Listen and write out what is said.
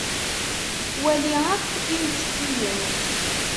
wali akk imttekkiyen.